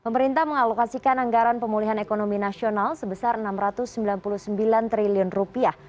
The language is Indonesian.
pemerintah mengalokasikan anggaran pemulihan ekonomi nasional sebesar enam ratus sembilan puluh sembilan triliun rupiah